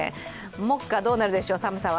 目下、どうなるでしょう、寒さは。